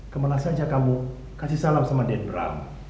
kemana saja kamu kasih salam sama den bram